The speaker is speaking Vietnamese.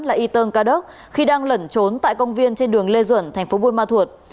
là y tơn ca đức khi đang lẩn trốn tại công viên trên đường lê duẩn tp bùn ma thuột